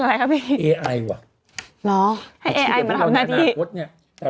อะไรครับพี่เอไอว่ะหรอให้เอไอมาทำหน้าที่มดเนี้ยแต่